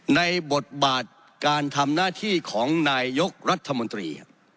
ในบทบาทการทำหน้าที่ของนายยกรัฐมนตรี